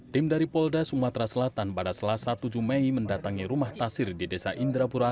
tim dari polda sumatera selatan pada selasa tujuh mei mendatangi rumah tasir di desa indrapura